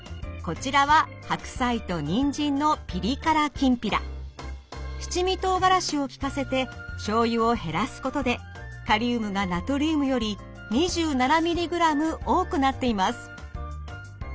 こちらは七味とうがらしを利かせてしょうゆを減らすことでカリウムがナトリウムより２７ミリグラム多くなっています。